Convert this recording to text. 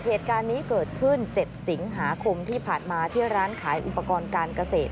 เหตุการณ์นี้เกิดขึ้น๗สิงหาคมที่ผ่านมาที่ร้านขายอุปกรณ์การเกษตร